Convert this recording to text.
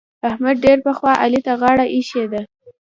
احمد ډېر پخوا علي ته غاړه اېښې ده.